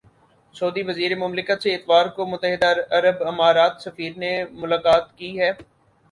سعودی وزیر مملکت سے اتوار کو متحدہ عرب امارات سفیر نے ملاقات کی ہے